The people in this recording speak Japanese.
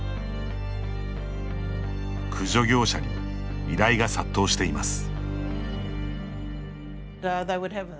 駆除業者に依頼が殺到しています。